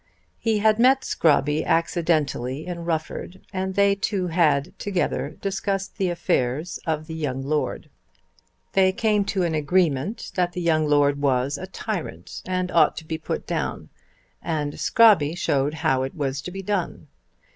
He had met Mr. Scrobby accidentally in Rufford and they two had together discussed the affairs of the young Lord. They came to an agreement that the young Lord was a tyrant and ought to be put down, and Scrobby showed how it was to be done.